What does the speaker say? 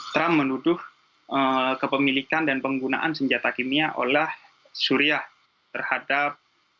trump menuduh kepemilikan dan penggunaan senjata kimia oleh syria terhadap